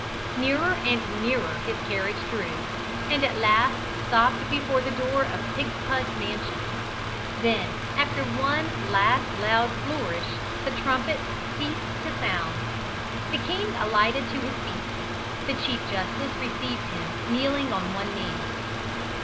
Nearer and nearer his carriage drew, and at last stopped before the door of Pigspud's mansion. Then, after one last loud flourish, the trumpets ceased to sound. The king alighted to his feet. The Chief Justice received him kneeling on one knee.